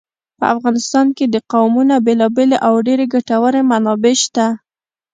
په افغانستان کې د قومونه بېلابېلې او ډېرې ګټورې منابع شته.